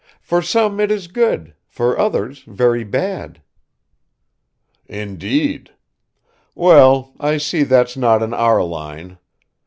For some it is good, for others very bad." "Indeed. Well, I see that's not in our line.